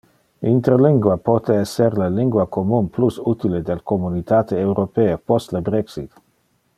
Interlingua pote esser le lingua commun plus utile del Communitate Europee post le brexit!